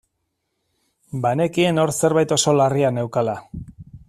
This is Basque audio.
Banekien hor zerbait oso larria neukala.